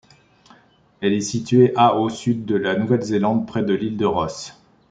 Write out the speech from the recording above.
Elle est située à au Sud de la Nouvelle-Zélande, près de l'île de Ross.